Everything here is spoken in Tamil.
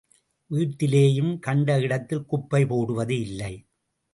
வீட்டிலேயும் கண்ட இடத்தில் குப்பை போடுவது இல்லை.